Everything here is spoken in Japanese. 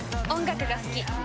音楽が好き！